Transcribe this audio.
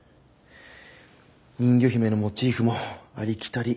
人魚姫のモチーフもありきたり。